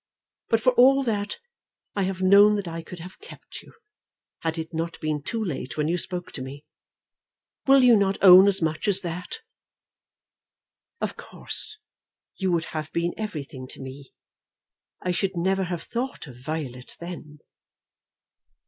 But for all that I have known that I could have kept you, had it not been too late when you spoke to me. Will you not own as much as that?" "Of course you would have been everything to me. I should never have thought of Violet then."